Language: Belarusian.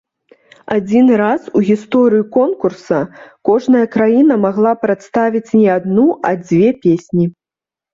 Адзіны раз у гісторыі конкурса кожная краіна магла прадставіць не адну, а дзве песні.